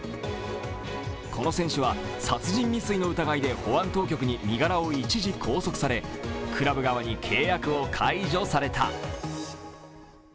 この選手は殺人未遂の疑いで保安当局に身柄を一時拘束され、クラブ側に契約を解除された。